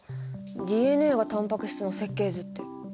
ＤＮＡがタンパク質の設計図って。